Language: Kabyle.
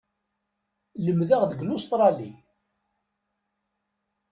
Lemdeɣ deg Lustṛali.